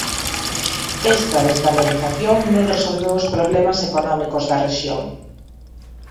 Esta desvalorización non resolveu os problemas económicos da rexión.